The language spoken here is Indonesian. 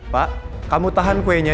pak kamu tahan kuenya